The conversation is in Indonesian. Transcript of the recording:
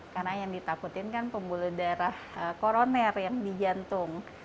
karena yang ditakutkan kan pembuluh darah koroner yang di jantung